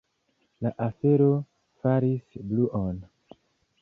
La afero faris bruon.